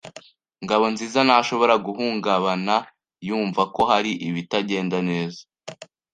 Ngabonziza ntashobora guhungabana yumva ko hari ibitagenda neza.